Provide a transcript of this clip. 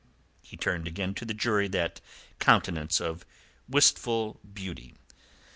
He turned again to the jury that countenance of wistful beauty.